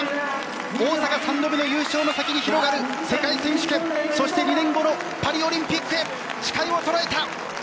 大阪三度目の優勝の先に広がる世界選手権、そして２年後のパリオリンピックへ視界を捉えた。